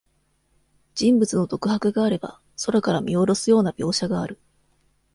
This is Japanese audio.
人物の独白があれば、空から見おろすような描写がある。